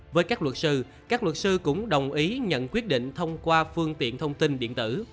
với các luật sư các luật sư cũng đồng ý nhận quyết định thông qua phương tiện thông tin điện tử